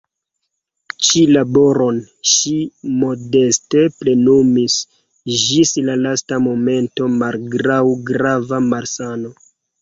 Ĉi laboron ŝi modeste plenumis ĝis la lasta momento malgraŭ grava malsano.